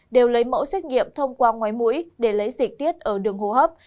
đều lấy mẫu xét nghiệm thông qua ngoài mũi để lấy dịch tiết ở đường hô hấp